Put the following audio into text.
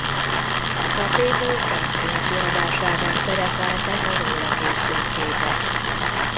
A Playboy francia kiadásában szerepeltek a róla készült képek.